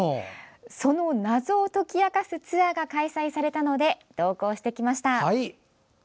その謎を解き明かすツアーが開催されたので同行してきました。